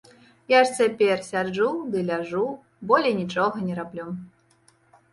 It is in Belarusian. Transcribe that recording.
Я ж цяпер сяджу ды ляжу, болей нічога не раблю.